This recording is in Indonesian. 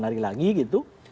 sembilan hari lagi gitu